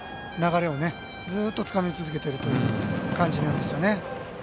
流れをずっとつかみ続けているという感じなんですよね。